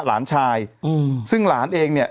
หลานชายอืมซึ่งหลานเองเนี่ย